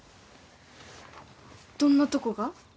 どんなとこが？